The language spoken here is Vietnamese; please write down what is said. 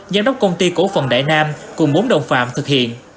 giám đốc công ty cổ phần đại nam cùng bốn đồng phạm thực hiện